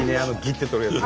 ッて取るやつ。